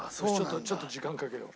ちょっと時間かけよう。